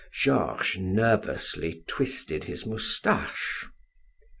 Georges nervously twisted his mustache.